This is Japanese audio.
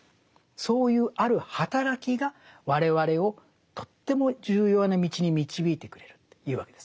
そういうあるはたらきが我々をとっても重要な道に導いてくれるというわけです。